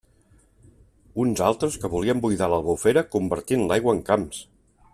Uns altres que volien buidar l'Albufera convertint l'aigua en camps!